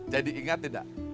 jadi ingat tidak